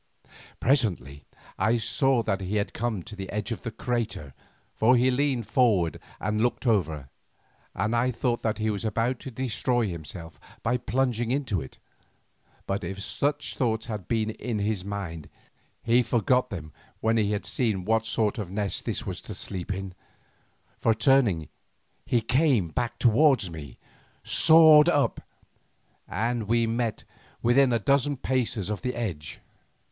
Presently I saw that he had come to the edge of the crater, for he leaned forward and looked over, and I thought that he was about to destroy himself by plunging into it. But if such thoughts had been in his mind, he forgot them when he had seen what sort of nest this was to sleep in, for turning, he came back towards me, sword up, and we met within a dozen paces of the edge.